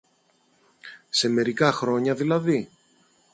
Σε μερικά χρόνια δηλαδή;